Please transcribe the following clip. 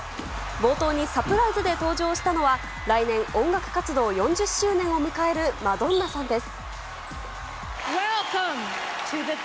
冒頭にサプライズで登場したのは来年、音楽活動４０周年を迎えるマドンナさんです。